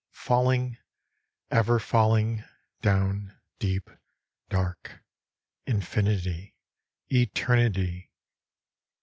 Falling, ever falling, down, deep, dark, INFINITY ! ETEBNITY